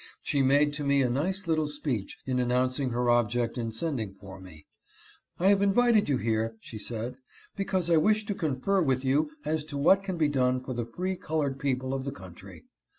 She made to me a nice little speech in announc ing her object in sending for me. " I have invited you here," she said, u because I wish to confer with you as to what can be done for the free colored people of the coun try.